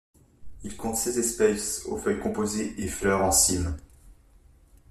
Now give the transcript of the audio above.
Il compte seize espèces aux feuilles composées et fleurs en cymes.